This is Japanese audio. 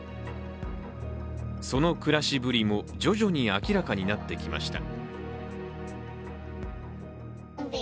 その暮らしぶりも徐々に明らかになってきました。